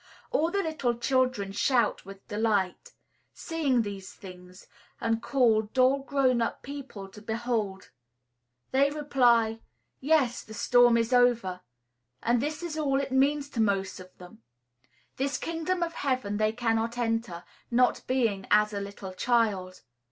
All the little children shout with delight, seeing these things; and call dull, grown up people to behold. They reply, "Yes, the storm is over;" and this is all it means to most of them. This kingdom of heaven they cannot enter, not being "as a little child."